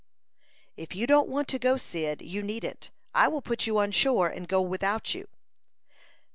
"If you don't want to go, Cyd, you needn't. I will put you on shore, and go without you."